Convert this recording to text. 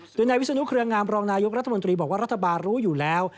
โดยนายวิศนุเครืองามรองนายกรัฐมนตรีบอกว่ารัฐบาลรู้อยู่แล้ว